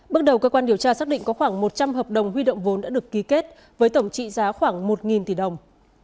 bước đầu cơ quan điều tra xác định có khoảng một trăm linh hợp đồng huy động vốn đã được ký kết với tổng trị giá khoảng một tỷ đồng